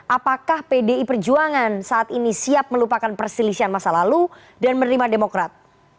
apakah pdi perjuangan saat ini siap melupakan perselisihan masa lalu dan menerima demokrat